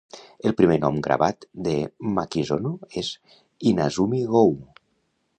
El primer nom gravat de Makizono és Inazumi-go.